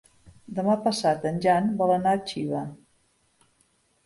Demà passat en Jan vol anar a Xiva.